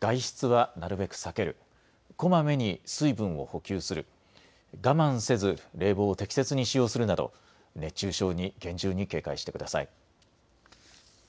外出はなるべく避ける、こまめに水分を補給する、我慢せず冷房を適切に使用するなど熱中症に厳重に警戒してください。